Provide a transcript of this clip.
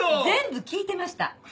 全部聞いてました。